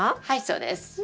はいそうです。